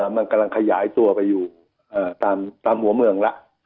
มันกำลังขยายตัวไปอยู่ตามหัวเมืองแล้ว